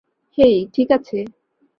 হেই, ঠিক আছে।